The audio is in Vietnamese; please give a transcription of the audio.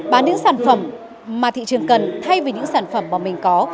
bán những sản phẩm mà thị trường cần thay vì những sản phẩm mà mình có